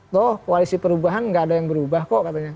toh koalisi perubahan gak ada yang berubah kok katanya